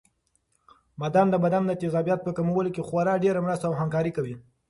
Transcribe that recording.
بادام د بدن د تېزابیت په کمولو کې خورا ډېره مرسته او همکاري کوي.